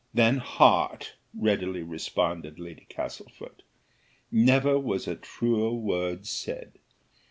"Than heart!" readily responded Lady Castlefort; "never was a truer word said.